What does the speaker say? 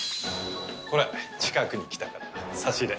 これ近くに来たから差し入れ。